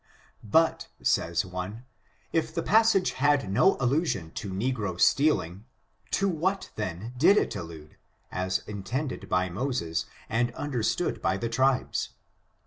But, says one, if the passage had no allusion to ne gro stealing, to what, then, did it allude, as intended by Moses, and understood by the tribes?